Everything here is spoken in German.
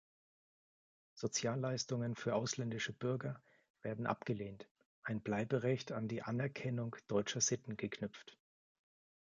Sozialleistungen für „ausländische Bürger“ werden abgelehnt, ein Bleiberecht an die „Anerkennung deutscher Sitten“ geknüpft.